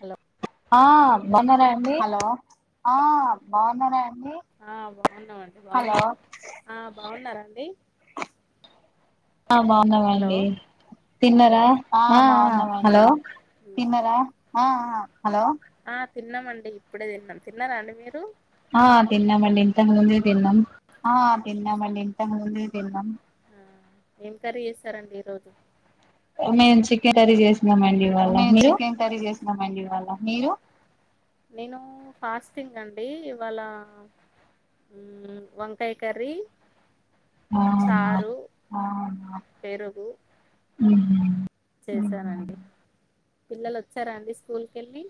Hello ఆ బంగానా అండి ఆ బాగున్నారండి ఆ బాగున్నామండి హలో ఆ బాగున్నారాండి ఆ బాగున్నం అండి తిన్నారా ఆ ఆ హలో తిన్నరా ఆ ఆ హలో ఆ తిన్నామండి ఇప్పుడే తిన్నాం తిన్నారా అండి మీరు ఆ తిన్నాం అండి ఇంత ముందే తిన్నాం ఆ తిన్నామండి ఇంత ముందే తిన్నం ఆ ఏం కరీ చేస్తారండి ఈరోజు మేము చికెన్ కర్రీ చేసి మేము చికెన్ కర్రీ చేసినామండి ఇవాళ మీరూ నేను ఫాస్టింగ్ అండి ఇవాళ ఉమ్ వంకాయ కర్రీ చారు ఆ పెరుగు. ఉహుమ్. చేశానండి పిల్లలు వచ్చారా అండి స్కూలుకు ఎల్లి.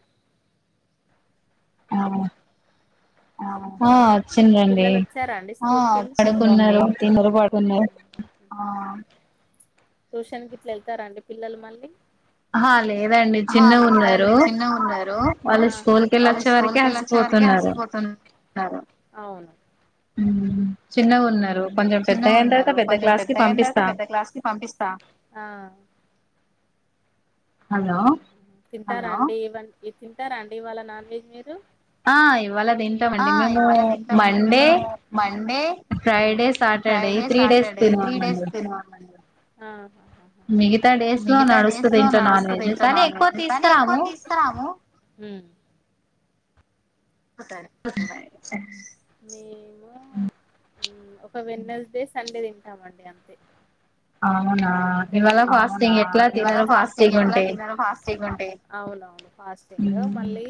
ఆ పిల్లలు వచ్చారా అండి స్కూలుకు ఎల్లి ఆ వచ్చిండ్రండీ. ట్యూషన్ కి ఇట్లా ఏల్తారా అండి పిల్లలు మళ్ళి. ఆహ లేదండి చిన్నగా ఉన్నారు వాళ్ళు స్కూల్ కెళ్ళొచ్చే వరకే ఆలిసిపోతున్నారు అవును. చిన్నగా ఉన్నారు కొంచెం పెద్దగాయిన తర్వాత పెద్ద క్లాస్ కి పంపిస్తా ఆ హలో. తింటారా అండి ఇవ తింటారా అండి ఇవ్వాళ నాన్వెజ్ మీరు. ఆ ఇవాళ తింటామండి మేము Monday Friday Saturday three days తినమండి. మిగతా డేస్ లో నడుస్తది ఇంట్లో నాన్ వెజ్ కానీ ఎక్కువ. కాని ఎక్కువ తీసుకరాము. ఉమ్ [unintelligible] బాయ్. మేము ఉమ్ ఉమ్ ఒక వెన్నస్డే సండే తింటామండి అంతే. ఇంకా అవునా ఇవాళ్ళ ఫాస్టింగ్ ఎట్లా తినరు ఫాస్టింగ్ ఉంటే అవునవును ఫాస్టింగ్ మళ్ళీ.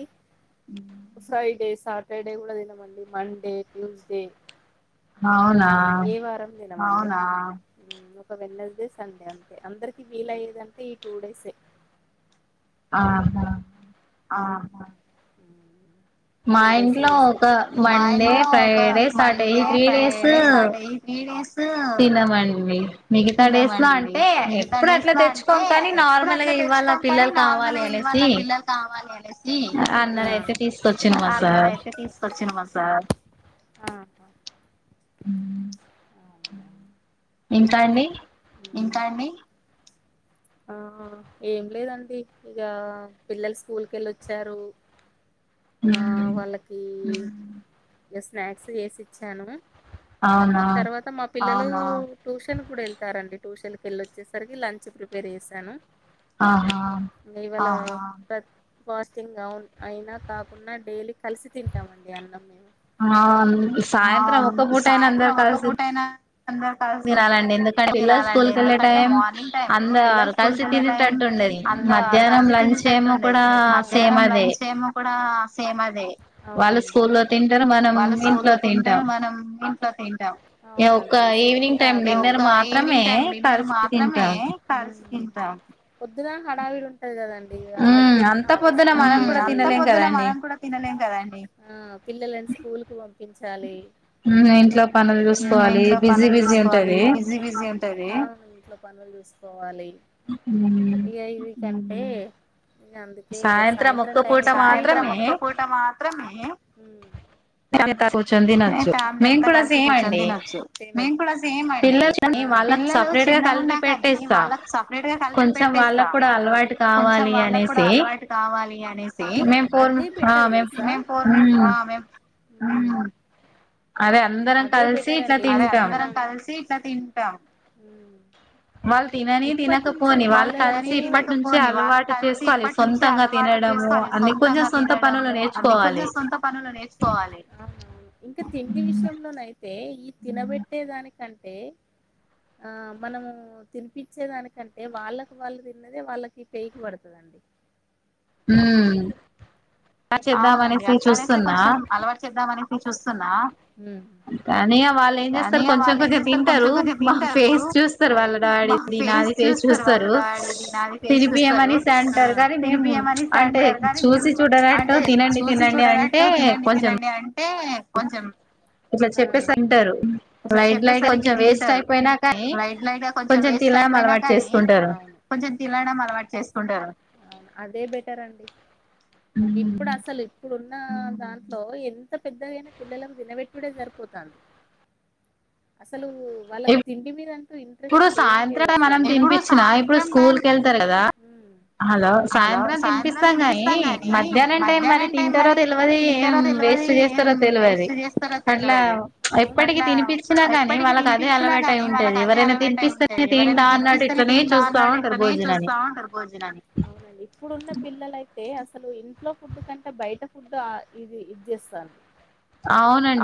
ఫ్రైడే సాటర్డే కూడా తినమండి మండే ట్యూస్ డే. అవునా. అవునా ఒక వెన్నస్డే సండే అంతే అందరికి వీలయ్యేదింటే ఈ టూ డేసే. ఆహా. ఆహా. టూ డేసే తీసుకొచ్చుకుంటాం మా ఇంట్లో ఒక మండే ఫ్రైడే సాటర్డే ఈ త్రీ డేస్ తినమండి మిగతా డేస్ లో అంటే ఎప్పుడు అట్లా తెచ్చుకోం కానీ నార్మల్గా ఇవ్వాళ్ళ పిల్లలు. అన్ననయితే తీసుకొచ్చి [unintelligible] మా సార్. ఆహా ఉమ్ ఇంకా అండి. ఇంకా అండి. ఆ ఏం లేదండి ఇగ పిల్లలు స్కూల్కి వెళ్లొచ్చారు ఆ వాళ్ళకి. ఇగ స్నాక్స్ చేసి ఇచ్చాను. అవునా. పిల్లలు ట్యూషన్ కూడా ఎళ్తారండి ట్యూషన్కి వెల్లోచ్చేసరికి లంచ్ ప్రిపేర్ చేశాను. ఆహా. ఫాస్టింగ్ అవును అయినా క కాకుండా డైలీ కలిసి తింటాం అండి అన్నం మేము ఆ సాయంత్రం ఒక్క పూటైనా అందరూ కలిసి తినాలండి ఎందుకంటే మార్నింగ్ టైము పిల్లలు స్కూల్ కెళ్లే టైం కలిసి తినేటట్టు ఉండది మధ్యానం లంచ్ ఏమో ఆ సేమ్ అదే అవునండి వాళ్ళు స్కూలో తింటారు మనం ఇంట్లో తింటాం అవునంట్ ఒక ఈవినింగ్ టైమ్ డిన్నర్ మాత్రమే కలిసి తిన్ టం పొద్దున హడావిడి ఉంటది కదండి ఇగ హస్బెండ్నీ ఆఫీసుకి అంత పొద్దున మనం కూడా తినలేం కదండి పిల్లలను స్కూ స్కూల్కి పంపించాలి ఇగ ఇంట్లో పనులు చూసుకోవాలి బిజీ బిజీ గా ఉంటది ఇంట్లో పనులు చూసుకోవాలి ఉమ్ అంటె ఇగ అందుకే ఇగ సాయంత్రం టైమ్ అయితే సాయంత ఒక్క పూట మాత్రం ఉమ్ ఇగ ఫ్యామిలీ అంత కలిసి కూర్చొని తినచ్చు మేము కూడా సేమ్ అండి పిల్లలు చిన్నగా ఉన్న కాని వాళ్ళకు సపరేట్ గా కలిసి పెట్టేస్తాం కొంచెం వాళ్ళకి కూడా అలవాటు కావాలి అనేసి అది పెట్టరు తెల్సా మేం ఫోర్ ఉమ్ అదే అందరం కలిసి ఇట్లా తింటాము తింటా ఇప్పటి నుంచే వాళ్ళ తినకపోని వాళ్ళ కలిసి ఇప్పటి నుంచే అలవాటు చేసుకోవాలి సొంతంగా తినడము అన్ని కొంచెం సొంత పనులు నేర్చుకోవాలి అవునవును ఇంకా తిండి విషయం విషయంలో లైట్ అతే ఈ తినబెట్టేదానికంటే ఆ మనము తినిపించేదానికంటే వాళ్ళకి వాళ్ళు తిన్నదే వాళ్ళకి పేకి పడుతుందండి మ్మ్ అవునండి అట్లానేస్తే కొంచెం అలవాటు చేద్దామని ఇ చూస్తున్నా కానీ వాళ్ళు ఏం చేస్తారు కొంచెం కొంచెం తింటారు మా ఫేస్ చూస్తారు వాళ్ళ డాడిది నాది ఫేస్ చూస్తారు తినిపియమనిసి అంటారు కానీ మేము అంటే చూసి చూడన అంటే చూసి చూడనట్టు తినండి తినండి అంటే కొంచెం ఇట్లా చెప్పేసరికి తింటారు లైట్ లైట్గా కొంచెం వేస్ట్ అయిపోయినా కాని కొంచెం తినడం అలవాటు చేసుకుంటారు అవును అదే బెటర్ అండి ఇప్పుడు అసలు ఇప్పుడున్న దాంట్లో ఎంత పెద్దగైనా పిల్లలకు తినబెట్టుడే సరిపోతుంది అ అసలు వాళ్ళకి తిండి మీదంటే ఇప్పుడు సాయంత్రం మనం తినిపచ్చినా ఇప్పుడు స్కూలక్వెళ్తారు కదా హలో సాయంత్రం తినిపిస్తాం కాగాని మధ్యాహ్నం టై మరి తింటారో తెలవధి ఏం వేస్ట్ చేస్తారో తెలవధి అట్లా ఎప్పటికి తినిపించినా కానీ వాళ్ళకి అదే అలవాటు అయి ఉంటేది ఎవరైనా ఉంటంది ఎవరైనా తిపిస్తనే తింటా అన్నట్టు ఇట్లనే చూస్తా ఉంటారు భోజనాన్ని అవునండి ఇప్పుడున్న పిల్లల అైతే అసలు ఇంట్లో ఫుడ్ కంటే బయట ఫుడ్ ఇది ఇది చేస్తారు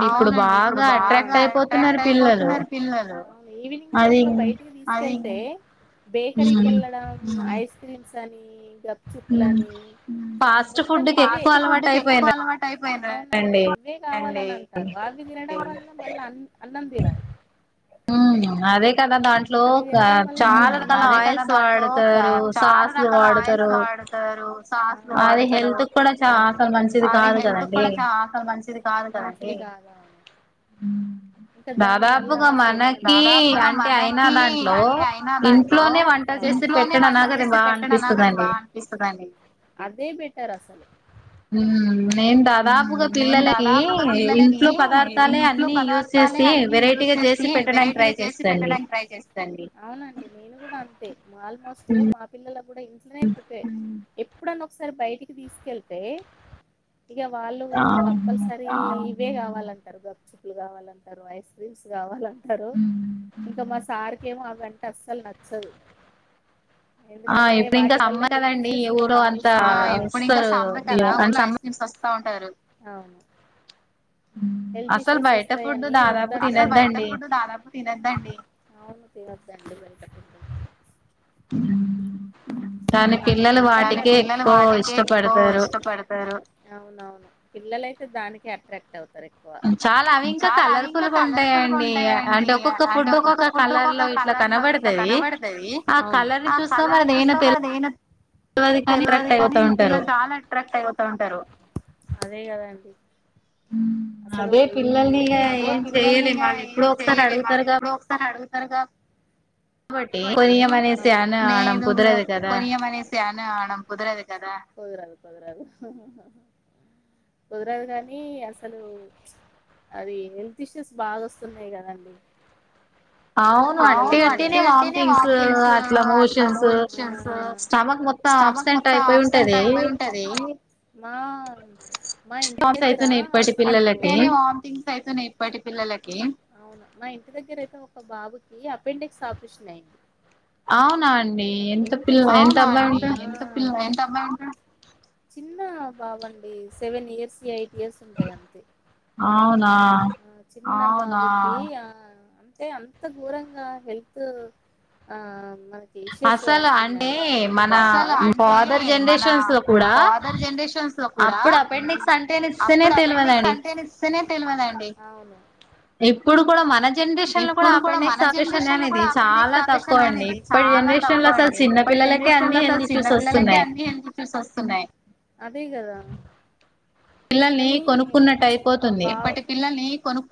అవునండి ఇప్పుడు బాగా అట్రాక్ట్ అయిపోతున్నారు పిల్లలు ఈవినింగ్ టై లో బయటికి తీసుకెళ్తే బేకరీకి వెళ్ళడం ఐస్ క్రీమ్స్ అని గుపచుప్లని ఫాస్ట్ ఫుడ్ కెక్కువ అలవాటు అండి అంటారు వాగి తినడ వల్ మళ్ళ అ అన్నం తినదు మ్మ్ అదే కదా దాంట్లో చాలా రకాల ఆయిల్స్ వాడతారు సాస్లు వాడతారు అది అవును అది హెల్త్ కూడా చ అసలు మంచిది కాదు కద ఉ ఇంకా దాని వల్ల అసలు మన దాదాపుగా మనకి అంటే అయినా దాంట్లో ఇంట్లోనే వంట చేసి పెట్టడం నాగాది బాగా అనిపిస్తుందిని అదే బెటర్ అసలు నేను దాదాపుగా పిల్లలకి ఇంట్లో పదార్థాలే అన్ని యూజ్ చేస్త అన్ని యూస్ చేసి వెరైటిగా జేసీ పెట్టడానికి ట్రై చేస్తాను అవునండి నేను కూడా అంతే ఆల్మోస్ట్ మా పిల్లలు కూడా ఇంట్లనే ప్రిపే ఎప్పుడన్నా ఒకసారి బయటికి తీసుకెళ్తే ఇగా వాళ్ళు కంపల్సరీ యే కావాలంటారు. గబచూప్పులు కావాలన్ రైస్విల్ గవాలా తారో ఇంకా మా సారకేమో ఆ వాటే అస్సలు నత్ చదు ఆ ఎప్పనుచ్చే సమ్మె కదా ఊర్లో ఐస్ క్రీమ్స్ వస్తా ఉంటారు. అవును హెల్త్ ఇషేస్ వస్తా అన్ అసల్ బయట ఫుడ్ దాదాపు తినద్దండి. తినొద్దాండి బై టకుడు కన్ పిల్లలు వాటికే ఎక్కువ ఇష్టపడతారు. పిల్లలైతే దానికే అట్రాక్ట్ అవుత్ చాలా అవి ఇంకా కలర్ఫుల్గా ఉంటాయండి. ఇగా అంటే ఒక్కొక్క ఫుడ్, ఒక్కొక్క కలర్ లో ఇట్లా కనపడుతది. ఆ కలరీ చూస్తా మరిదేనాథ్ తెల్వదు. కానీ పిల్లలు చాలా అట్రాక్ట్ అయితా ఉంటారు. అదే గదండి అదే పిల్లల్ని ఇగా ఎమ్ చేయలేం వాళ్ళు ఎప్పుడో ఒకసారి అడుగుతారు గాబట్టి లేదు కోక్ కొని కొనియామనేసి అనా అనమ్ కుదురదు కదా కుదరదు కుదరదు కుదరదు కానీ అసలు అది హెల్త్ ఇష్యూస్ బాగ్ వస్తున్నాయి కదండి. అవును అట్టి అట్టినే వామ్టింగ్స్ అట్ల మోషన్స్ స్టమక్ మొత్తం ఆబ్సెంట్ అయిపోయి ఉంటది. అట్టినే వామ్టింగ్స్ అవుతున్నాయి. ఇప్పటి పిల్లల్ అవునా, మా ఇంటి దగ్గర అయితే ఒక బాబుకి అపెండెక్స్ ఆపరేషన్ అయింది. అవునాన్ ఎంత చిన్న అవునండి ఆ ఎంత పీలైన్ చిన్న బాబండి సెవెన్ ఇయర్స్ ఎయిట్ యేసుంటాయి. అంతే అచీ ఆ అంతే అంత గోరంగా హెల్త్ ఆ మనక్ అసలు అంటే మన ఫాదర్ జనరేషన్స్ లో కూడా, అప్పుడు అపెండిక్స్ అంటే సేనే తెలియదండి. నీప్పుడు కూడా మనజ్ ఇప్పుడు కూడా మన జనరేషన్ లో కూడా అపెండెక్స్ ఆపరేషన్లు అనేది చాలా తక్కువ అండి. ఇప్పటి జనరేషన్ లో అసలు చిన్న పిల్లలకే అన్ని హెల్త్ ఇష్యూస్ వస్తున్నాయ్. అదే కదా కానీ ప్చ్ ఆ [unintelligible]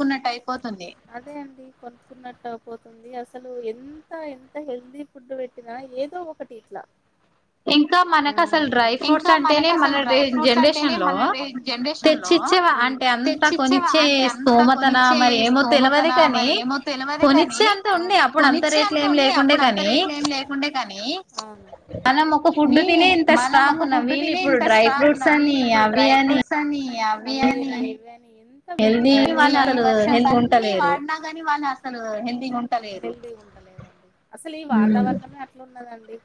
అదే అండి కొనుక్కున్నట్టు అవుపోతుంది అసలు ఎంత ఎంత హెల్దీ ఫుడ్ పెట్టినా ఏదో ఒకటి ఇట్లా. ఇంకా మనకు అసలు డ్రై ఫ్రూట్స్ అంటేనే మన జనరేషన్ లో తెచ్చిచ్చేవా అంటే అంతా కొనిచ్చే స్థోమతన మరి ఏమో తెలివదు కాని. మో తెలివదు కానీ కొనిచ్చేంత ఉండే అప్పుడు అంత రేట్లేమి లేకుండె కానీ ఎ మీ మనం ఒక ఫుడ్ తినే ఇంత స్ట్రాంగ్ ఉన్నాం వీళ్ళు ఇప్పుడు డ్రై ఫ్రూట్స్ అని అ [unintelligible] ఎంత పెట్టినా కూడా అసలు హెల్దీగుంటలేరు అసలు ఈ వాతావరణమే అట్లున్నదండి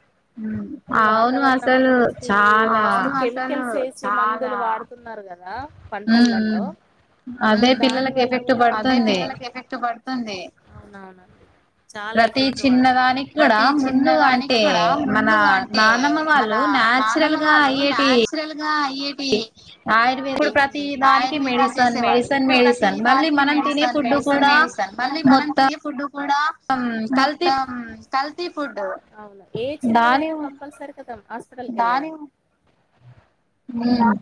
మ్మ్ ఈ వాతావరణము నెక్స్ట్ ఈ [unintelligible] చాలా మందులు వాడుతున్నారు కదా పంటలల్లో దాని వల్ల కూడా పడుతుంది ప్రతి చిన్నదానికి కూడా ముందు అంటే మన నానమ్మ వాళ్ళు నాచురల్ గా ఎ ఆయ్ ఆయుర్వేదాలు చేసే వాళ్ళు ఇప్పుడు ప్రతి దానికి మెడిసన్ మెడిసిన్ మెడిసన్ మళ్ళీ మనం తినే ఫుడ్డు. కూడా మొత్తం కల్తీ ఫుడ్డు ఏ చిన్నదైనా కంపల్సరీ కదా మస్ దాని వ్ మ్మ్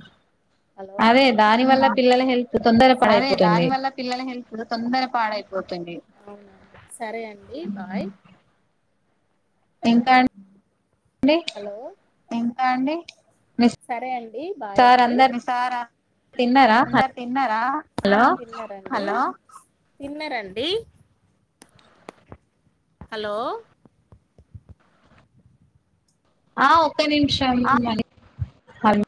అదే దాని వల్ల పిల్లల హెల్ అదే దాని వల్ల పిల్లలు హెల్త్ తొందర పాడైపోతుంది అవునండి సరే అండి బాయ్ ఇంకాన్ హలో ఇంకా అండి డి బాయండి అందరు తిన్నారా హలో తన్నరండి హలో ఆవ్ [inaudible] నిమిషాలు మని అన్